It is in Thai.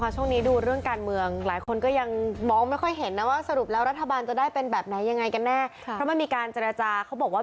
จงนี้ดูเรื่องการเมืองหลายคนก็ยังมองไม่ค่อยเห็นนะว่าสรุปแล้วรัฐบาลจะได้เป็นแบบไหนยังไงกันเนี่ย